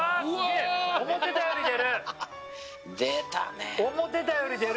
思ってたより出る。